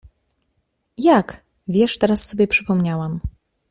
— Jak? — Wiesz, teraz sobie przypomniałam.